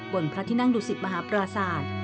พระที่นั่งดุสิตมหาปราศาสตร์